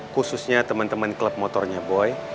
khususnya teman teman klub motornya boy